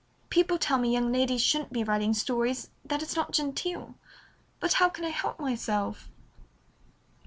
People tell me young ladies shouldn't be writing stories, that it's not genteel, but how can I help myself?"